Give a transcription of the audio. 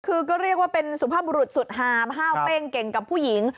คือก็เรียกว่าเป็นสุภาพบุรุษสุดหามห้าวเป้งเก่งกับผู้หญิง